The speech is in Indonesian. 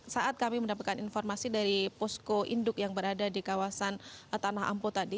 saat kami mendapatkan informasi dari posko induk yang berada di kawasan tanah ampo tadi